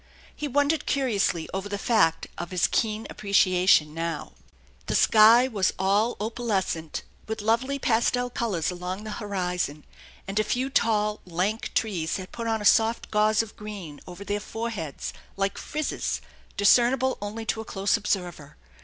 He wondered curiously over the fact of his keen appreciation now. The sky was all opalescent with lovely pastel colors along the horizon, and a few tall, lank trees had put on a soft gauze of green over their foreheads like frizzes, discernible only to a close observer.